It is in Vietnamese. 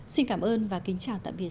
xin cảm ơn và kính chào tạm biệt